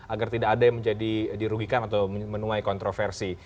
agar tidak ada yang menjadi dirugikan atau menuai kontroversi